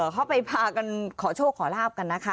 เขาไปพากันขอโชคขอลาบกันนะคะ